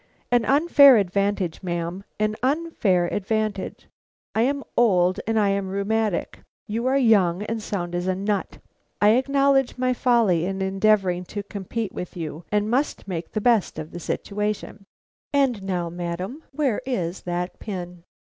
"An unfair advantage, ma'am; an unfair advantage! I am old and I am rheumatic; you are young and sound as a nut. I acknowledge my folly in endeavoring to compete with you and must make the best of the situation. And now, madam, where is that pin?"